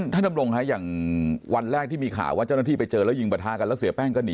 ท่านดำรงฮะอย่างวันแรกที่มีข่าวว่าเจ้าหน้าที่ไปเจอแล้วยิงบรรทากัน